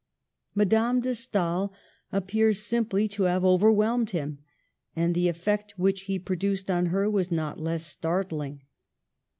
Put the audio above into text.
Madame de Stael appears simply to have over whelmed him ; and the effect which he produced on her was not less startling.